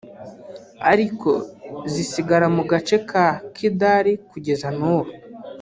ariko zisigara mu gace ka Kidal kugeza n’ubu